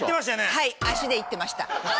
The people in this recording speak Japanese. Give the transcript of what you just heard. はい足でいってました。